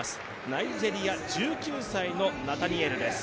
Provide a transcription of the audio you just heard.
ナイジェリア１９歳のナタニエルです。